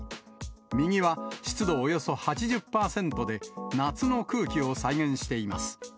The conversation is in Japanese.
右は、湿度およそ８０％で、夏の空気を再現しています。